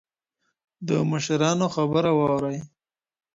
د مشرانو خبره واورئ.